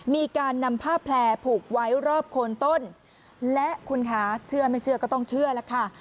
มีการนำผ้าแผลผูกไว้รอบโคนต้นและคุณคะเชื่อไม่เชื่อก็ต้องเชื่อแล้วค่ะ